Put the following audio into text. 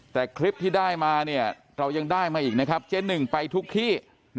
แต่คลิปที่ได้มาเรายังได้มาอีกนะครับเจ๊หนึ่งไปทุกที่